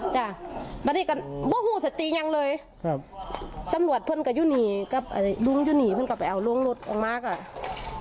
จำหวัดพึ่งกับยูหนี่ก็ลุงยูหนี่พึ่งกลับไปเอาร่วงรถมากสิ